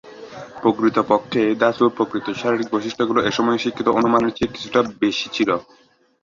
প্রকৃতপক্ষে, ধাতুর প্রকৃত শারীরিক বৈশিষ্ট্যগুলি এই সময়ে শিক্ষিত অনুমানের চেয়ে কিছুটা বেশি ছিল।